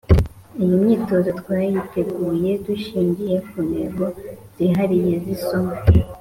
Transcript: Iyi myitozo twayiteguye dushingiye ku ntego zihariye z’isomo